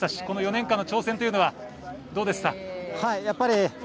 この４年間の挑戦というのはどうでしたか。